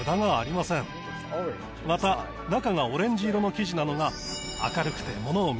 また中がオレンジ色の生地なのが明るくて。